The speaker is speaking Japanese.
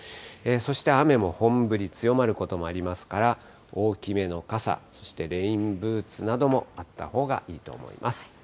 そして雨も本降り、強まることもありますから、大きめの傘、そしてレインブーツなどもあったほうがいいといいます。